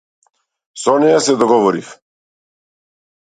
Со неа се договорив.